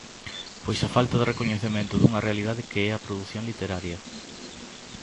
Pois a falta de recoñecemento dunha realidade que é a produción literaria.